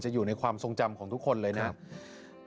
อยู่ในความทรงจำของทุกคนเลยนะครับ